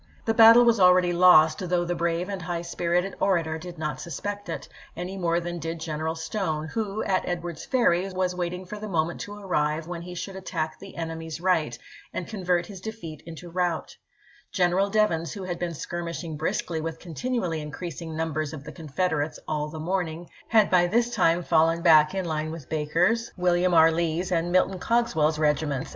The battle was already lost, though the brave and high spirited orator did not suspect it, any more than did General Stone, who, at Edwards Ferry, was waiting for the moment to arrive when he should attack the enemy's right and convert his defeat into rout. Colonel Devens, who had been skirmishing briskly with continually increasing numbers of the Confederates all the morning, had by this time fallen back in line with Baker's, THE ABMY OF THE POTOMAC 457 William R. Lee's, and Milton Cogswell's regiments, ch. xxv.